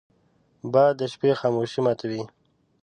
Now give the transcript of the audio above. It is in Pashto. باد د شپې خاموشي ماتوي